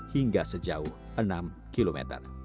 hingga sejauh enam km